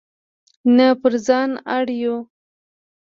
نه پر ځان اړ یو.